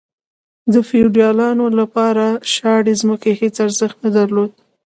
د فیوډالانو لپاره شاړې ځمکې هیڅ ارزښت نه درلود.